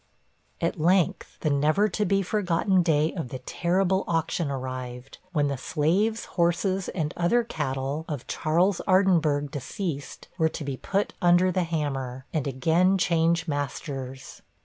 At length, the never to be forgotten day of the terrible auction arrived, when the 'slaves, horses, and other cattle' of Charles Ardinburgh, deceased, were to be put under the hammer, and again change masters.